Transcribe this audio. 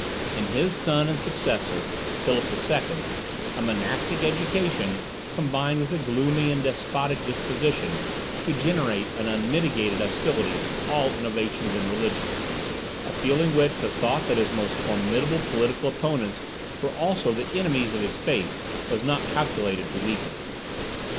In his son and successor, Philip the Second, a monastic education combined with a gloomy and despotic disposition to generate an unmitigated hostility to all innovations in religion; a feeling which the thought that his most formidable political opponents were also the enemies of his faith was not calculated to weaken.